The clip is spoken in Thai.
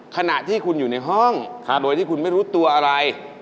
ขณะที่คุณอยู่ในห้องโดยที่คุณไม่รู้ตัวอะไร